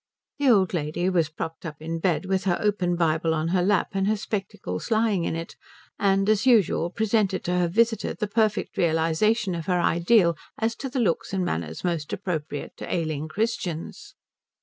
The old lady was propped up in bed with her open Bible on her lap and her spectacles lying in it, and as usual presented to her visitor the perfect realization of her ideal as to the looks and manners most appropriate to ailing Christians.